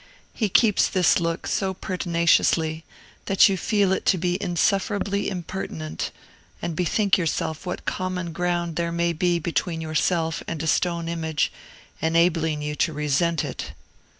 He keeps this look so pertinaciously that you feel it to be insufferably impertinent, and bethink yourself what common ground there may be between yourself and a stone image, enabling you to resent it.